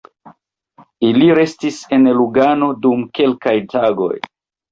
Ili restis en Lugano dum kelkaj tagoj.